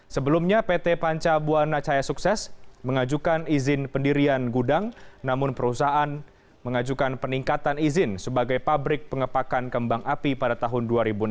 sebelumnya pt panca buana cahaya sukses mengajukan izin pendirian gudang namun perusahaan mengajukan peningkatan izin sebagai pabrik pengepakan kembang api pada tahun dua ribu enam belas